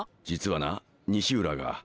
実はな西浦が。